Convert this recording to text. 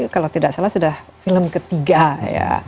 kalau tidak salah sudah film ketiga ya